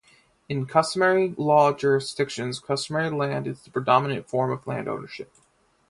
In customary law jurisdictions, customary land is the predominant form of land ownership.